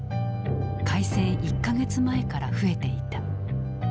開戦１か月前から増えていた。